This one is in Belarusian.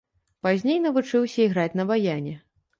Пазней навучыўся іграць на баяне.